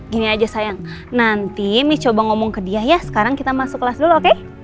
gini aja sayang nanti mie coba ngomong ke dia ya sekarang kita masuk kelas dulu oke